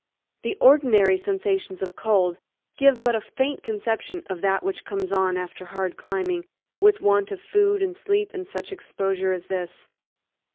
The ordinary sensations of cold give but a faint conception of that which comes on after hard climbing with want of food and sleep in such exposure as this.